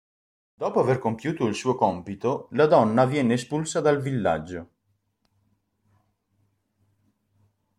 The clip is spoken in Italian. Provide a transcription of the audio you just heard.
Dopo aver compiuto il suo compito, la donna viene espulsa dal villaggio.